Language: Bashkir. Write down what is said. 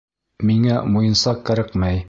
Миңә муйынсаҡ кәрәкмәй.